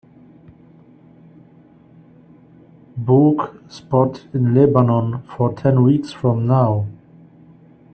book spot in Lebanon for ten weeks from now